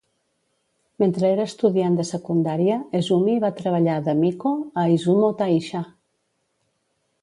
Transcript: Mentre era estudiant de secundària, Esumi va treballar de "miko" a Izumo-taisha.